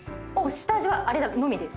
下味はあれのみです。